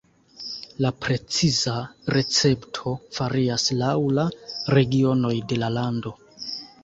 La preciza recepto varias laŭ la regionoj de la lando.